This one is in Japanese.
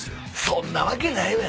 そんなわけないわ。